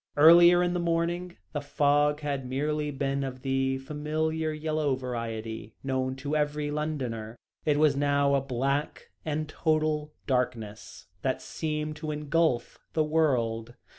Earlier in the morning the fog had merely been of the familiar yellow variety known to every Londoner. It was now a black and total darkness that seemed to engulf the world.